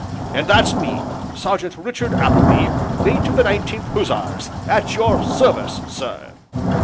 And that's me Sergeant Richard Appleby late of the Nineteenth Hussars at your service, sir!"